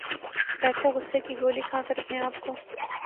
بیٹھے غصے کی گولی کھا کر اپنے آپ کو